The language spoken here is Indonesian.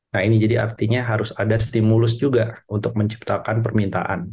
nah ini jadi artinya harus ada stimulus juga untuk menciptakan permintaan